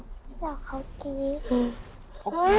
เดาเขากี๊